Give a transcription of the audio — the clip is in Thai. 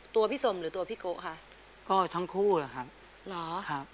ตัวพี่สมหรือตัวพี่โกะคะก็ทั้งคู่หรอครับเหรอครับ